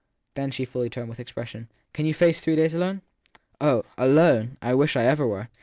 Then she fully turned, and with expression : Can you face three days alone ? Oh " alone "! I wish I ever were